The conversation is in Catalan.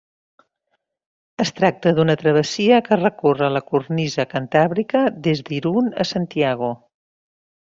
Es tracta d'una travessia que recorre la cornisa Cantàbrica des d'Irun a Santiago.